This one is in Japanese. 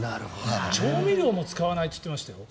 調味料も使わないって言ってましたよ。